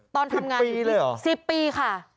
๑๐ปีเลยเหรอ๑๐ปีค่ะ